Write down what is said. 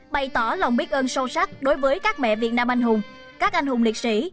bày tỏ lòng biết ơn sâu sắc đối với các mẹ việt nam anh hùng các anh hùng liệt sĩ